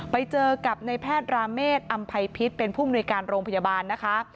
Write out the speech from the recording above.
ไปเจอกับในแพทย์ราเมฆอำภัยพิษเป็นผู้มนุยการโรงพยาบาลนะคะ